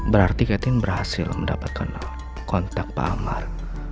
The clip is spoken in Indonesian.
berarti catherine berhasil mendapatkan kontak pak amar